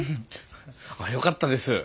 あよかったです。